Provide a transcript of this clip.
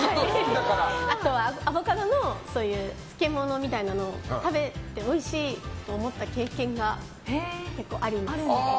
あとはアボカドの漬物みたいなの食べておいしいと思った経験が結構あります。